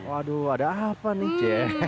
waduh ada apa nih ce